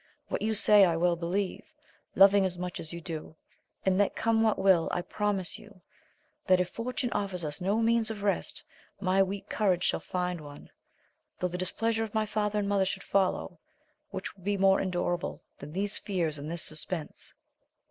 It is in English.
What you say I well believe, loving as much as you do ; and let come what will I promise you, that if for tune offer us no means of rest, my weak courage shall find one, though the displeasure of my father and mother should follow, which would be more endurable than these fears and this suspence.